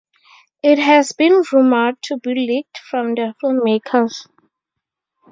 It has been rumored to be leaked from the filmmakers.